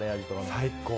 最高。